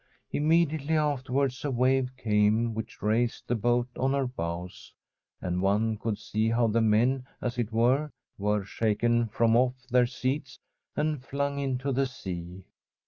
Imme diately afterwards a wave came which raised the boat on her bows, and one could see how the men, as it were, were shaken from off their seats and flung into the sea.